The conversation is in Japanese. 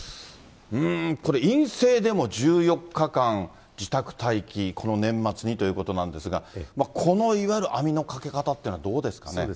これ、陰性でも１４日間自宅待機、この年末にということなんですが、このいわゆる網のかけ方っていうのはどうですかね。